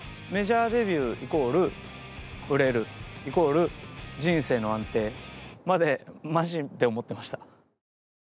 メジャーデビューイコール売れるイコール人生の安定までマジで思ってました。